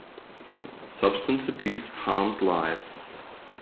Substance abuse harms lives.